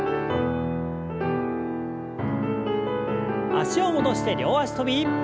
脚を戻して両脚跳び。